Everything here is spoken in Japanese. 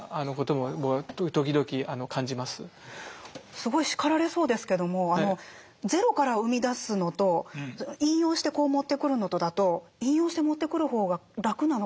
すごい叱られそうですけどもゼロから生み出すのと引用してこう持ってくるのとだと引用して持ってくる方が楽なのかと思ってたんですよ。